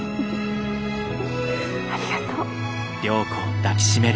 ありがとう。